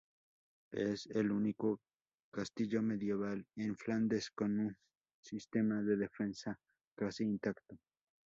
Es el único castillo medieval en Flandes con un sistema de defensa casi intacto.